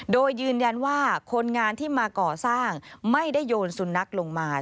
โดยยืนยันว่าคนงานที่มาก่อสร้างไม่ได้โยนสุนัขลงมา